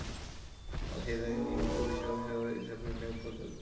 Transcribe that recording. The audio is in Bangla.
বাংলাদেশে ইদানীং নির্মিত বেশির ভাগ ছবির সবকিছু ঠিক করে দেন প্রযোজকেরা।